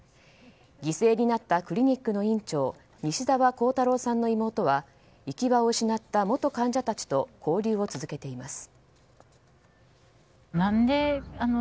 犠牲になったクリニックの院長西澤弘太郎さんの妹は行き場を失った元患者たちと交流を続けています。